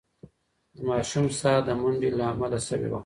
د ماشوم ساه د منډې له امله سوې وه.